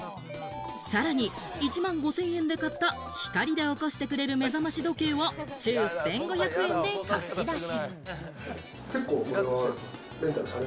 さらに１万５０００円で買った光で起こしてくれる目覚まし時計は、週１５００円で貸し出し。